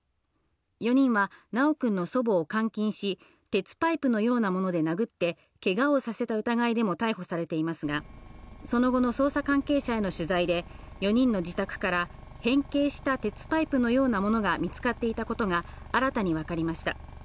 ４人は修くんの祖母を監禁し、鉄パイプのようなもので殴ってけがをさせた疑いでも逮捕されていますが、その後の捜査関係者への取材で、４人の自宅から変形した鉄パイプのようなものが見つかっていたことが新たにわかりました。